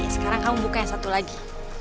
sekarang kamu buka yang satu lagi